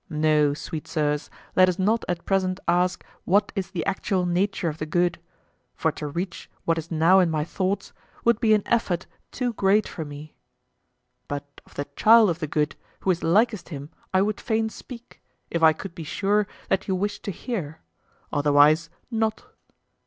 No, sweet sirs, let us not at present ask what is the actual nature of the good, for to reach what is now in my thoughts would be an effort too great for me. But of the child of the good who is likest him, I would fain speak, if I could be sure that you wished to hear—otherwise, not.